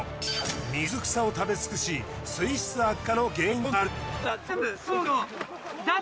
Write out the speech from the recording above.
水草を食べつくし水質悪化の原因となる。